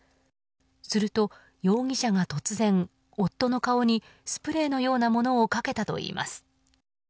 すると容疑者が突然夫の顔にスプレーのようなものをかけたといいます。